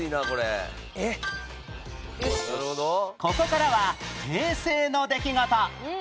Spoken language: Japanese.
ここからは平成の出来事